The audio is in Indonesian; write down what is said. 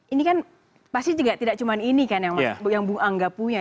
ini kan pasti juga tidak cuma ini kan yang bung angga punya